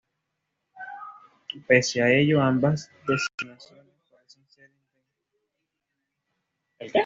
Pese a ello ambas designaciones parecen ser intercambiables tanto mecánica como funcionalmente.